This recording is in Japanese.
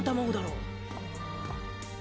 うん。